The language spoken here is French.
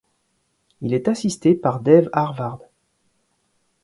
Il est assisté par Dave Harward.